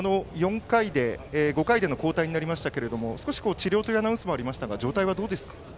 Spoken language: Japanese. ５回での交代でしたが少し治療というアナウンスもありましたが状態はどうですか。